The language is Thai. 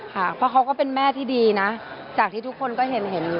ค่ะเพราะเขาก็เป็นแม่ที่ดีนะจากที่ทุกคนก็เห็น